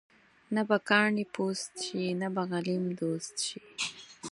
نه به کاڼې پوست شي ، نه به غلیم دوست شي.